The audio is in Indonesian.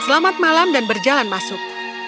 selamat malam dan berjalan masuk